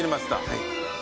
はい。